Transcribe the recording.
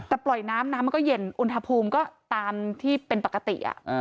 แต่ปล่อยน้ำน้ำมันก็เย็นอุณหภูมิก็ตามที่เป็นปกติ